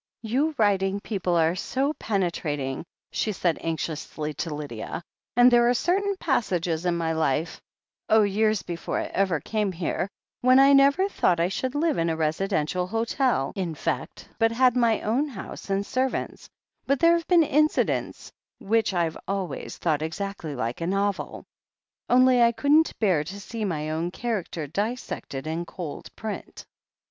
"You writing people are so penetrating," she said anxiously to Lydia, "and there are certain passages in my life — oh, years before I ever came here — ^when I never thought I should live in a residential hotel, in fact, but had my own house and servants — ^but there have been incidents which I've always thought exactly like a novel. Only I couldn't bear to see my own char acter dissected in cold print."